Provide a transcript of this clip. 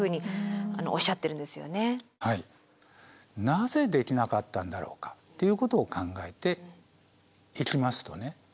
なぜできなかったんだろうかっていうことを考えていきますとね